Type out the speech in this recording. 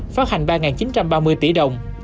phát hành ba chín trăm ba mươi tỷ đồng